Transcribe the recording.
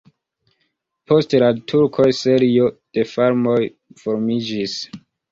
Post la turkoj serio de farmoj formiĝis.